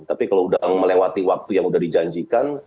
tapi kalau udah melewati waktu yang udah dijanjikan